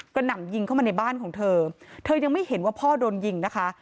หน่ำยิงเข้ามาในบ้านของเธอเธอยังไม่เห็นว่าพ่อโดนยิงนะคะ